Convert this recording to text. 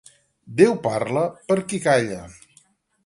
Déu parla per qui calla.